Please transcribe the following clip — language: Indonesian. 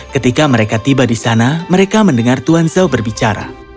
ketika mereka tiba di sana mereka mendengar tuan zhao berbicara